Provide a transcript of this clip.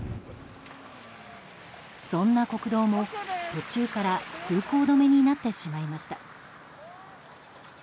そんな国道も途中から通行止めになってしまいました。